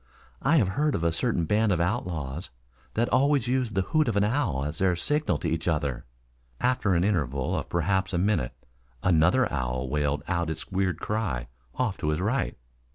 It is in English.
"I have heard of a certain band of outlaws that always used the hoot of the owl as their signal to each other." After an interval of perhaps a minute another owl wailed out its weird cry off to his right.